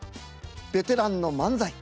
ベテランの漫才